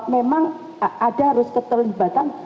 memang ada harus keterlibatan